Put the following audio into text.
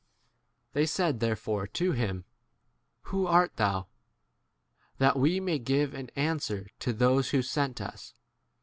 They said therefore to him, Who art thou ? that we may give an answer to those who sent us.